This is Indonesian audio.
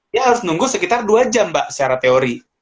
dia harus nunggu sekitar dua jam mbak secara teori